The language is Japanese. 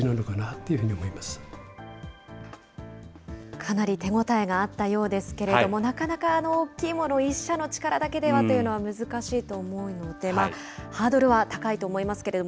かなり手応えがあったようですけれども、なかなかあの大きいものを、１社の力だけでというのは難しいと思うので、ハードルは高いと思いますけれども、